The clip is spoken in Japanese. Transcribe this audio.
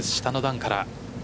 下の段から。